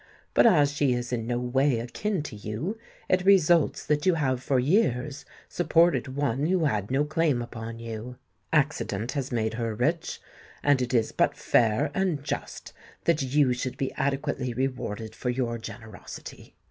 But as she is in no way akin to you, it results that you have for years supported one who had no claim upon you. Accident has made her rich; and it is but fair and just that you should be adequately rewarded for your generosity.